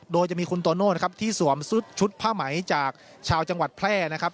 โดยจะมีคุณโตโน่นะครับที่สวมชุดผ้าไหมจากชาวจังหวัดแพร่นะครับ